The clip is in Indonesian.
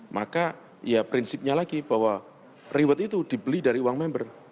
maka ya prinsipnya lagi bahwa reward itu dibeli dari uang member